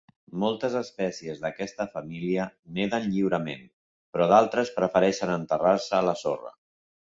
Moltes espècies d'aquesta família neden lliurement però d'altres prefereixen enterrar-se a la sorra.